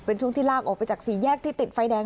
เป็นช่วงที่ลากออกไปจากสี่แยกที่ติดไฟแดง